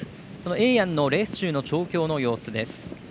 エエヤンのレース中の調教の様子です。